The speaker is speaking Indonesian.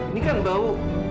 ini kan bau